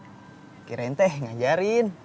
lagi renteh ngajarin